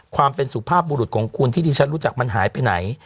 ความเป็นสุภาพบุรุษของคุณที่ดิฉันรู้จักมันหายไปไหน